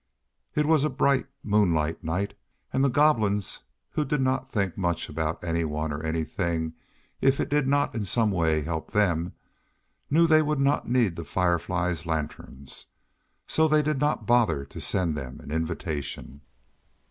It was a bright moonlight night, and the Goblins, who did not think much about anyone or anything if it did not in some way help them, knew they would not need the Fireflies' lanterns, so they did not bother to send them an invitation.